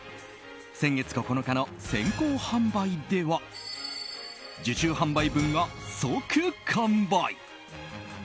先月９日の先行販売では受注販売分が即完売。